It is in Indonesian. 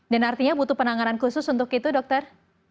dan artinya butuh penanganan khusus untuk itu dokter